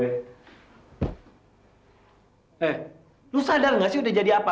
eh lu sadar gak sih udah jadi anak belian